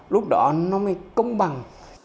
lúc đó nó mới công bằng